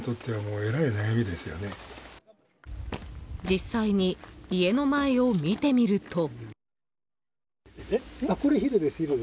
実際に家の前を見てみると。